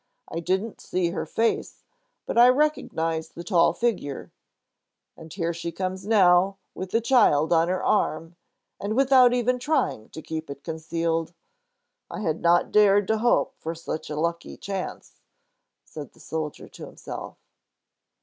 I didn't see her face, but I recognize the tall figure. And here she comes now, with the child on her arm, and without even trying to keep it concealed. I had not dared to hope for such a lucky chance," said the soldier to himself.